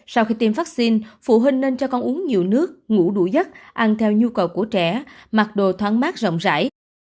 sau khi tiêm vaccine phụ huynh nên cho con uống nhiều nước ngủ đủ giấc ăn theo nhu cầu của trẻ mặc đồ thoáng mát rộng rãi